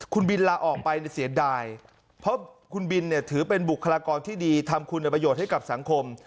คุณบินลาออกไปเสียดายเพราะคุณบินเนี่ยถือเป็นบุคลากรที่ดีทำคุณประโยชน์ให้กับสังคม